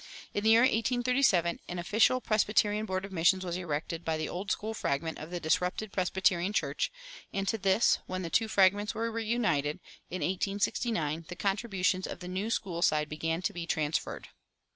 In the year 1837 an official Presbyterian Board of Missions was erected by the Old School fragment of the disrupted Presbyterian Church; and to this, when the two fragments were reunited, in 1869, the contributions of the New School side began to be transferred.